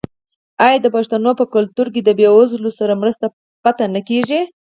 آیا د پښتنو په کلتور کې د بې وزلو سره مرسته پټه نه کیږي؟